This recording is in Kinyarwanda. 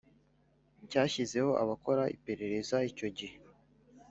Cyashyizeho abakora iperereza icyo gihe